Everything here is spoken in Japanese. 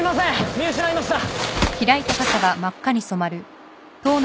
見失いました。